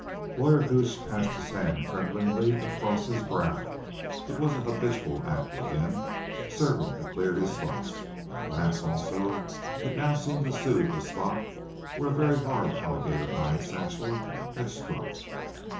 Lawyer Gooch passed his hand tremblingly across his brow. It was a habitual act with him, serving to clear his thoughts. Perhaps also it now seemed to soothe the spot where a very hard alligator hide satchel had struck.